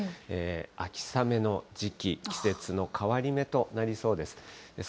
秋雨の時期、季節の変わり目となりそうです。